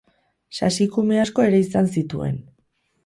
Sasikume asko ere izan zituen.